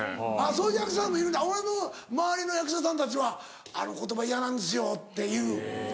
そういう役者さんもいるんだ俺の周りの役者さんたちは「あの言葉嫌なんですよ」って言う。